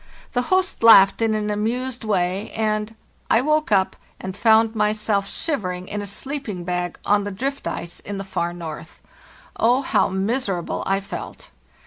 The host laughed in an amused way, and—I woke up and found myself shivering in a sleeping bag on the drift ice in the far north. Oh, how miserable I felt!